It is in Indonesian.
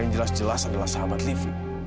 yang jelas jelas adalah sahabat livi